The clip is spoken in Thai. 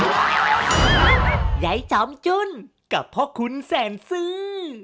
ยายจำจุ้นกับพ่อคุณแสนซื้อ